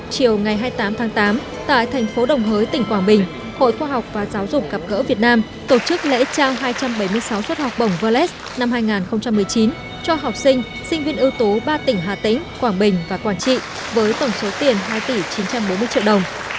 chiều ngày hai mươi tám tháng tám tại thành phố đồng hới tỉnh quảng bình hội khoa học và giáo dục gặp gỡ việt nam tổ chức lễ trao hai trăm bảy mươi sáu suất học bổng verlet năm hai nghìn một mươi chín cho học sinh sinh viên ưu tố ba tỉnh hà tĩnh quảng bình và quảng trị với tổng số tiền hai tỷ chín trăm bốn mươi triệu đồng